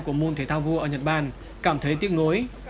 của môn thể thao vua ở nhật bản cảm thấy tiếc nuối